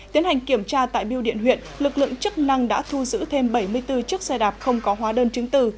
tiến hành kiểm tra tại biêu điện huyện lực lượng chức năng đã thu giữ thêm bảy mươi bốn chiếc xe đạp không có hóa đơn chứng từ